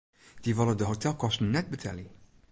Dy wolle de hotelkosten net betelje.